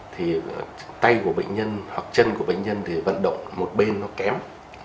thì tay của bệnh nhân hoặc chân của bệnh nhân thì vận động một bên nó kém